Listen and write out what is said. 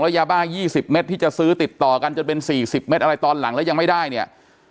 ยาบ้า๒๐เม็ดที่จะซื้อติดต่อกันจนเป็น๔๐เม็ดอะไรตอนหลังแล้วยังไม่ได้เนี่ย